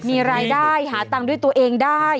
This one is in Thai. มีรายได้หาตังค์ด้วยตัวเองได้